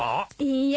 いいえ。